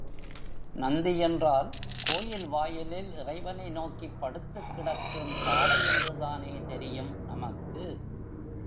நந்தி என்றால் கோயில் வாயிலில் இறைவனை நோக்கிப் படுத்துக் கிடக்கும் காளை என்றுதானே தெரியும் நமக்கு.